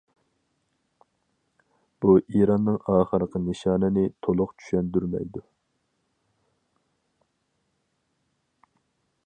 بۇ ئىراننىڭ ئاخىرقى نىشانىنى تولۇق چۈشەندۈرمەيدۇ.